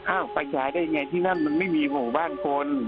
อ้าวไปฉายได้ยังไงที่นั่งมันไม่มีบ้านคน